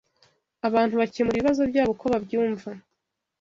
abantu bakemura ibibazo byabo uko babyumva